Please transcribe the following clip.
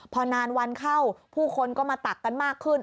พอนานวันเข้าผู้คนก็มาตักกันมากขึ้น